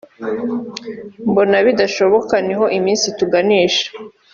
Mbona bidashoboka niho iminsi ituganisha